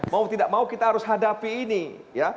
mau tidak mau kita harus hadapi ini ya